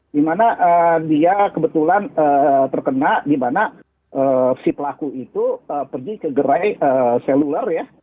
dimana dia kebetulan terkena di mana si pelaku itu pergi ke gerai seluler ya